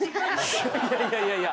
いやいやいやいや。